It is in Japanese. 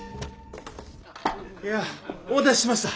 お待たせしました。